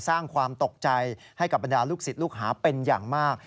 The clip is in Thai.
สร้างความตกใจให้กับบรรดาลูกศิษย์ลูกหาเป็นอย่างมาก